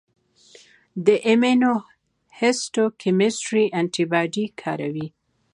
د ایمونوهیسټوکیمسټري انټي باډي کاروي.